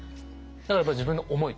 だからやっぱり自分の思い